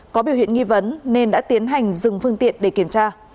có biểu hiện nghi vấn nên đã tiến hành dừng phương tiện để kiểm tra